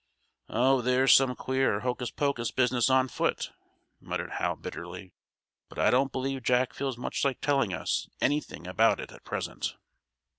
"Oh, there's some queer, hocus pocus business on foot," muttered Hal, bitterly. "But I don't believe Jack feels much like telling us anything about it at present."